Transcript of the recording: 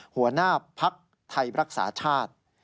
หัวหน้าภักดิ์ไทยรักษาชาติ